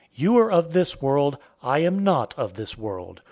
You are of this world. I am not of this world.